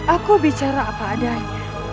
aku bicara apa adanya